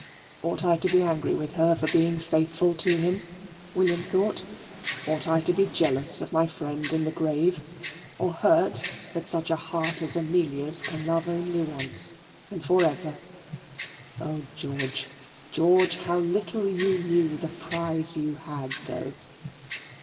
"Ought I to be angry with her for being faithful to him?" William thought. "Ought I to be jealous of my friend in the grave, or hurt that such a heart as Amelia's can love only once and for ever? Oh, George, George, how little you knew the prize you had, though."